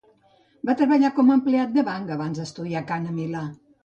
Va treballar com a empleat del banc abans d'estudiar cant a Milà.